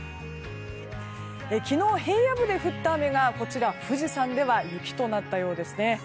昨日、平野部で降った雨が富士山では雪となったようですね。